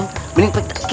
hai berdo raja